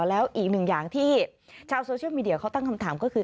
แล้วอีกหนึ่งอย่างที่ชาวโซเชียลมีเดียเขาตั้งคำถามก็คือ